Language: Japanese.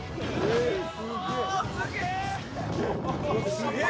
すげえ。